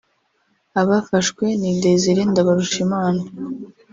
Abafashwe ni Desire Ndabarushimana